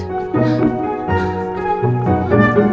rain bermula ini